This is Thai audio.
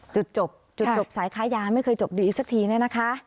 จุดจบจุดจบสายค้ายาไม่เคยจบดีสักทีเนี่ยนะคะ